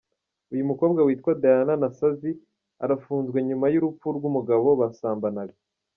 Uyu mukobwa witwa Diana Nassazi arafunzwe nyuma y’urupfu rw’umugabo basambanaga.